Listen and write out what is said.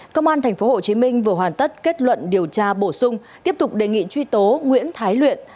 công an tp hcm vừa hoàn tất kết luận điều tra bổ sung tiếp tục đề nghị truy tố nguyễn thái luyện